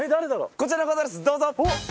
こちらの方ですどうぞ！